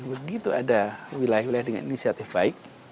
begitu ada wilayah wilayah dengan inisiatif baik